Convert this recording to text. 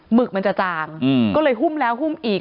หึกมันจะจางก็เลยหุ้มแล้วหุ้มอีก